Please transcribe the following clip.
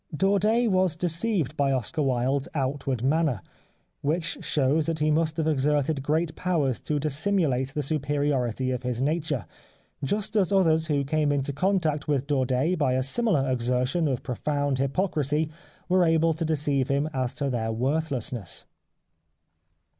Daudet was deceived by Oscar Wilde's outward manner, which shows that he must have exerted great powers to dissimulate the superiority of his nature, just as others who came into contact with Daudet by a similar exertion of profound hypocrisy were able to deceive him as to their worthlessness.